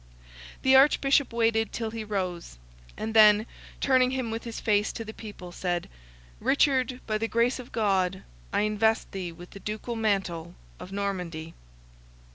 The Archbishop waited till he rose, and then, turning him with his face to the people, said, "Richard, by the grace of God, I invest thee with the ducal mantle of Normandy!"